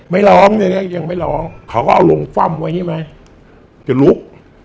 ไม่ร้องเลยนะยังไม่ร้องเขาก็เอาลงฟ่ำไว้ใช่ไหมจะลุก